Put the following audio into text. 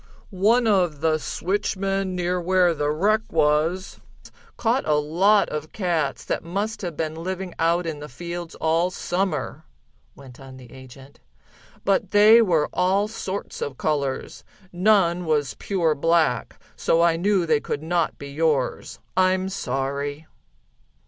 "One of the switchmen near where the wreck was, caught a lot of cats, that must have been living out in the fields all Summer," went on the agent, "but they were all sorts of colors. None was pure black, so I knew they could not be yours. I'm sorry."